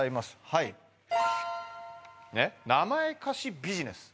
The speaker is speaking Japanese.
はい「名前貸しビジネス」